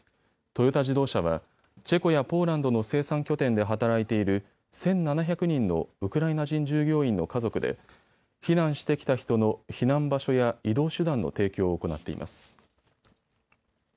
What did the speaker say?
トヨタ自動車はチェコやポーランドの生産拠点で働いている１７００人のウクライナ人従業員の家族で避難してきた人の避難場所や移動手段の提供を行っています。